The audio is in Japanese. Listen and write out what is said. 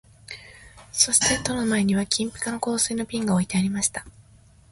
そして戸の前には金ピカの香水の瓶が置いてありました